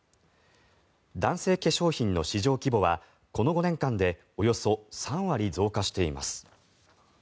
男性化粧品の市場規模はこの５年間でおよそ３割増加しています。